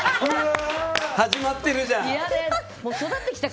始まってるじゃん。